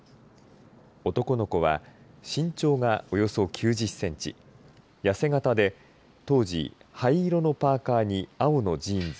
男の子は身長がおよそ９０センチ痩せ型で当時灰色のパーカーに青のジーンズ